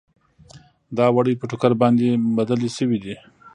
دا وړۍ په ټوکر باندې بدلې شوې دي.